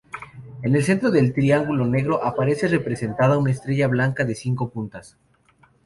En el centro del triángulo negro aparece representada una estrella blanca de cinco puntas.